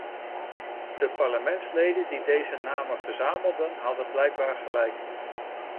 De parlementsleden die deze namen verzamelden hadden blijkbaar gelijk.